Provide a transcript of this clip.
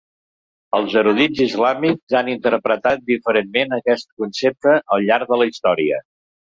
Els erudits islàmics han interpretat diferentment aquest concepte al llarg de la història.